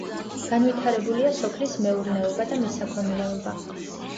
განვითარებულია სოფლის მეურნეობა და მესაქონლეობა.